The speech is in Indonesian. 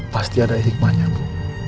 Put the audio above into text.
pasti ada hikmahnya ibu